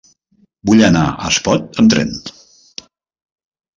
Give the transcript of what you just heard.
Vull anar a Espot amb tren.